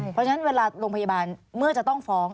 เพราะฉะนั้นเวลาโรงพยาบาลเมื่อจะต้องฟ้อง